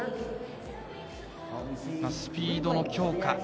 スピードの強化